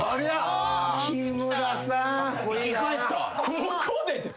ここで！